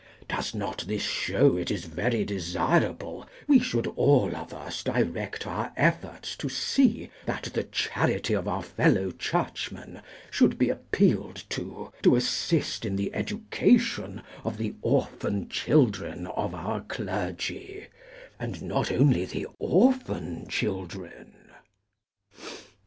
Does not this show it is very desirable we should all of us direct our efforts to see that the charity of our fellow Churchmen should be appealed to, to assist in the education of the orphan children of our clergy, and not only the orphan children?"